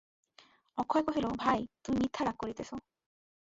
অক্ষয় কহিল, ভাই, তুমি মিথ্যা রাগ করিতেছ।